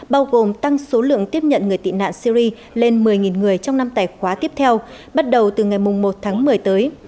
bao gồm tăng số lượng tiếp nhận người tị nạn syri lên một mươi người trong năm tài khoá tiếp theo bắt đầu từ ngày một tháng một mươi tới